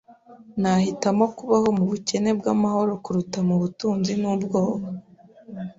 Nahitamo kubaho mubukene bwamahoro kuruta ubutunzi nubwoba.